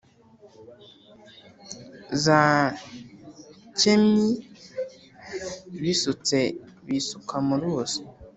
Za Nshenyi bisutse bisuka mu ruzi